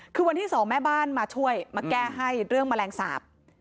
คือวันที่สองแม่บ้านมาช่วยมาแก้ให้เรื่องแมลงสาป